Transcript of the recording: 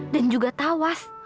dan juga tawas